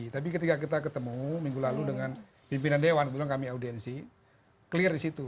tapi ketika kita ketemu minggu lalu dengan pimpinan dewan bilang kami audiensi clear di situ